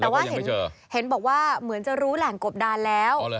แต่ว่าเห็นบอกว่าเหมือนจะรู้แหล่งกบดานแล้ว